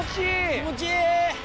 気持ちいい！